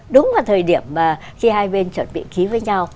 đúng vào thời điểm mà khi hai bên chuẩn bị ký với nhau